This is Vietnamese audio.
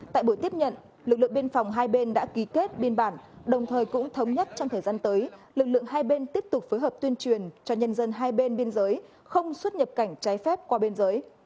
tại buổi tiếp nhận lực lượng biên phòng hai bên đã ký kết biên bản đồng thời cũng thống nhất trong thời gian tới lực lượng hai bên tiếp tục phối hợp tuyên truyền cho nhân dân hai bên biên giới không xuất nhập cảnh trái phép qua biên giới